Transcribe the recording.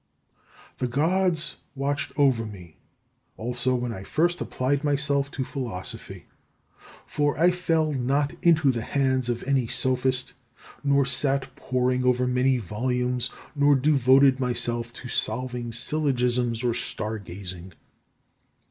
The Gods watched over me also when I first applied myself to philosophy. For I fell not into the hands of any Sophist, nor sat poring over many volumes, nor devoted myself to solving syllogisms, or star gazing.